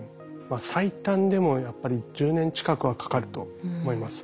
最短でもやっぱり１０年近くはかかると思います。